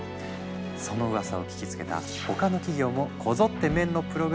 そのうわさを聞きつけた他の企業もこぞってメンのプログラムを導入。